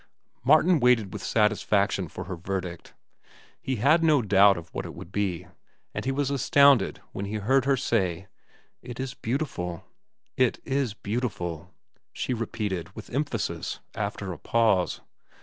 Martin waited with satisfaction for her verdict. He had no doubt of what it would be, and he was astounded when he heard her say: "It is beautiful." "It is beautiful," she repeated, with emphasis, after a pause.